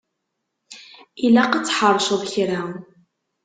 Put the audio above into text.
Ilaq ad tḥerceḍ kra.